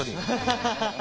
ハハハハハ！